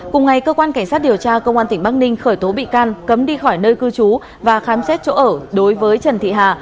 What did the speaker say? cùng ngày cơ quan cảnh sát điều tra công an tỉnh bắc ninh khởi tố bị can cấm đi khỏi nơi cư trú và khám xét chỗ ở đối với trần thị hà